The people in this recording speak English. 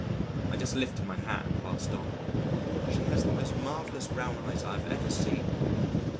I just lifted my hat and passed on. She has the most marvellous brown eyes I have ever seen.